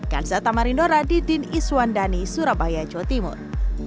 kansa tamarindo raditya din iswandani surabaya jawa timur